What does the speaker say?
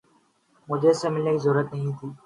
مجھے اسے ملنے کی ضرورت نہ تھی